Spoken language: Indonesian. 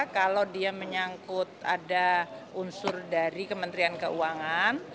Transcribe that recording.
kalau dia menyangkut ada unsur dari kementerian keuangan